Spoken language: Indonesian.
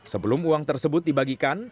sebelum uang tersebut dibagikan